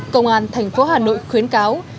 công an thành phố hà nội khuyến cáo